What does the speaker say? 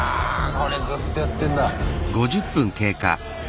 これずっとやってんだ。